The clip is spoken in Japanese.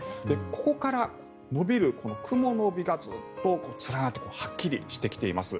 ここから延びる雲の帯がずっと連なってはっきりしてきています。